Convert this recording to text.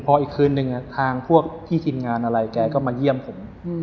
พออีกคืนหนึ่งทางพวกที่ทีมงานมันเยี่ยมผม